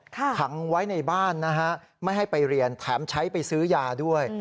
ขังไว้ในบ้านนะฮะไม่ให้ไปเรียนแถมใช้ไปซื้อยาด้วย